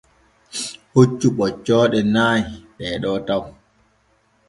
Hoccu ɓoccooɗe nay ɗeeɗo taw.